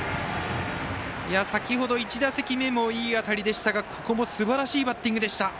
先ほど１打席目もいい当たりでしたがここもすばらしいバッティングでした。